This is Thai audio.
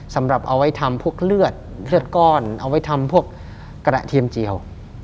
สำหรับเอาไว้ทำพวกเลือดเลือดก้อนเอาไว้ทำพวกกระเทียมเจียว